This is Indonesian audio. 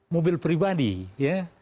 mobil pribadi ya